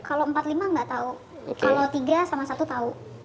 kalau empat lima nggak tahu